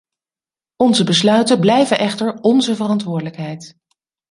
Onze besluiten blijven echter onze verantwoordelijkheid.